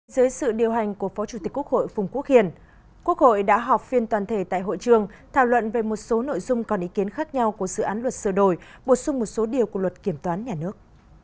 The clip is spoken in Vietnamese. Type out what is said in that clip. dưới sự điều hành của phó chủ tịch quốc hội phùng quốc hiền quốc hội đã họp phiên toàn thể tại hội trường thảo luận về một số nội dung còn ý kiến khác nhau của dự án luật sửa đổi bổ sung một số điều của luật kiểm toán nhà nước